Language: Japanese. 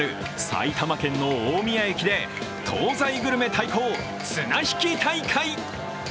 埼玉県の大宮駅で東西グルメ対抗・綱引き大会。